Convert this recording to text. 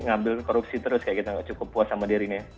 ngambil korupsi terus kayak kita gak cukup puas sama dirinya